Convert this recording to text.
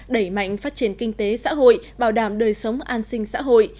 đẩy mạnh phát triển kinh tế xã hội bảo đảm đời sống an sinh xã hội